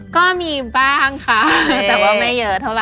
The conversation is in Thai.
ก็มีบ้างค่ะแต่ว่าไม่เยอะเท่าไ